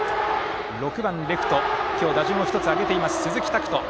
６番レフト打順を１つ上げている鈴木拓斗。